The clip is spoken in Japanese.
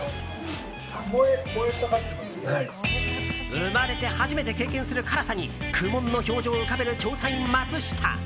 生まれて初めて経験する辛さに苦悶の表情を浮かべる調査員マツシタ。